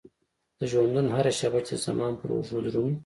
د ژوندون هره شيبه چې د زمان پر اوږو درومي.